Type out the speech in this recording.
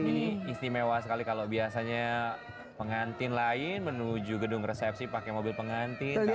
ini istimewa sekali kalau biasanya pengantin lain menuju gedung resepsi pakai mobil pengantin